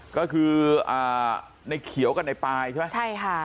ก็คืออ่าในเขียวกับในปายใช่ไหมใช่ค่ะ